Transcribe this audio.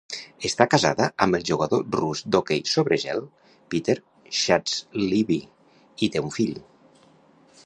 Està casada amb el jugador rus d'hoquei sobre gel Petr Schastlivy i té un fill.